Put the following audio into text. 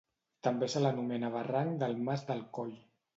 També se l'anomena Barranc del Mas del Coll.